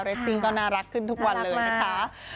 ซิ่งก็น่ารักขึ้นทุกวันเลยนะคะ